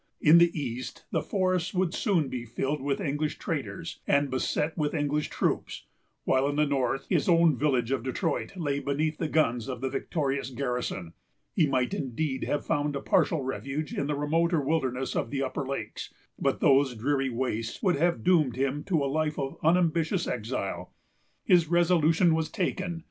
In the east the forests would soon be filled with English traders, and beset with English troops; while in the north his own village of Detroit lay beneath the guns of the victorious garrison. He might, indeed, have found a partial refuge in the remoter wilderness of the upper lakes; but those dreary wastes would have doomed him to a life of unambitious exile. His resolution was taken.